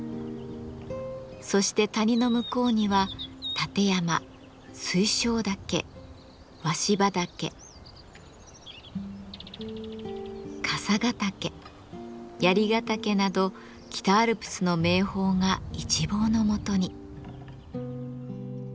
そして谷の向こうには立山水晶岳鷲羽岳笠ヶ岳槍ヶ岳など北アルプスの名峰が一望のもとに。